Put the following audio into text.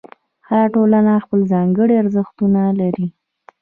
هره ټولنه خپل ځانګړي ارزښتونه لري.